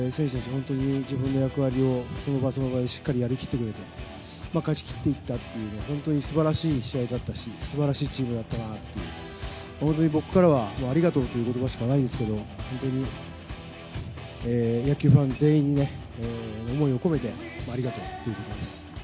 本当に自分たちの役割をその場その場でしっかりやりきってくれて勝ちきっていったというのは本当にすばらしい試合だったしすばらしいチームだったなと、僕からはありがとうという言葉しかないんですけど、野球ファン全員に思いを込めてありがとう。